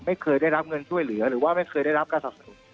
ไม่เคยได้รับเงินช่วยเหลือหรือว่าไม่เคยได้รับการสนับสนุน